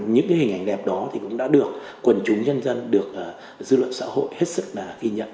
những cái hình ảnh đẹp đó thì cũng đã được quần chúng nhân dân được dư luận xã hội hết sức tạp